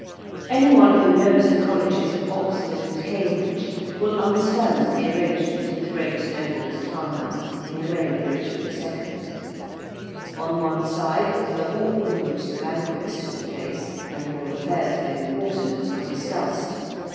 Any one who knows the colleges of Oxford and Cambridge will understand the arrangement of the great noble's town house in the reign of Richard II. On one side was the hall in which the banquets took place and all affairs of importance were discussed.